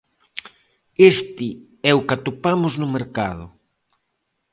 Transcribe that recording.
Este é o que atopamos no mercado.